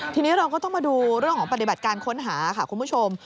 ทีนี้เราก็ต้องมาดูเรื่องของปฏิบัติการค้นหาค่ะคุณผู้ชม